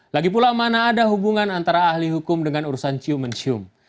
lagi pula mana ada hubungan antara ahli hukum dengan urusan cium mencium